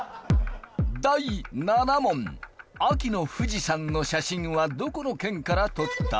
第７問秋の富士山の写真はどこの県から撮った？